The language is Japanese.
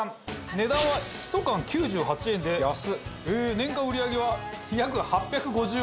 値段は１缶９８円で年間売り上げは約８５０万個。